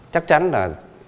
chắc chắn là